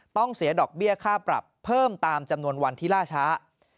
ต้องเสียดอกเบี้ยค่าปรับเพิ่มตามจำนวนวันที่ล่าช้า